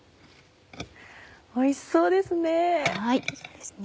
おいしそうですね。